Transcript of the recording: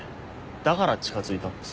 だから近づいたんです。